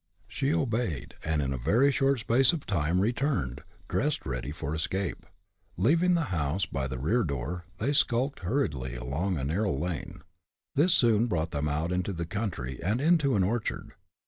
She obeyed, and in a very short space of time returned, dressed ready for escape. Leaving the house by the rear door, they skulked hurriedly along a narrow lane. This soon brought them out into the country, and into an orchard.